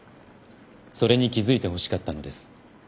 それに気付いてほしかったのです。